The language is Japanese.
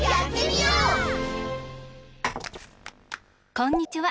こんにちは。